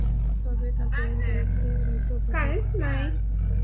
তবে তাঁদের বিরুদ্ধে আনীত অভিযোগ প্রমাণিত হওয়ায় তাঁদের ডিলারশিপ বাতিল করা হবে।